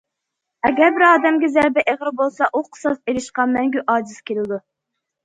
ئەگەر، بىر ئادەمگە زەربە ئېغىر بولسا، ئۇ قىساس ئېلىشقا مەڭگۈ ئاجىز كېلىدۇ.